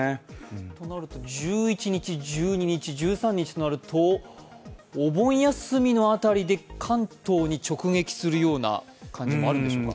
となると１１日、１２日、１３日となると、お盆休みの辺りで関東に直撃するような感じもあるんでしょうか？